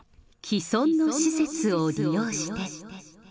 既存の施設を利用して。